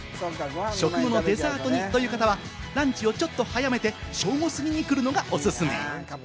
食後のデザートにという方はランチをちょっと早めて正午過ぎに来るのがおすすめ。